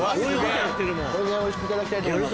これでおいしくいただきたいと思います。